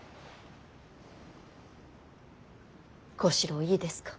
小四郎いいですか。